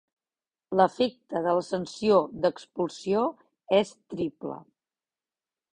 L'efecte de la sanció d'expulsió és triple.